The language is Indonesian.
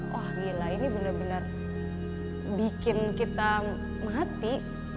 wah gila ini benar benar bikin kita mati